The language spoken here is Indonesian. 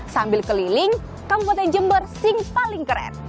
sambil keliling kabupaten jember sing paling keren